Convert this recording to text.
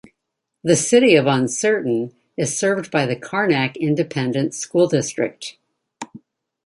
The City of Uncertain is served by the Karnack Independent School District.